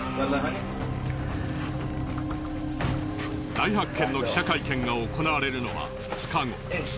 大発見の記者会見が行われるのは２日後。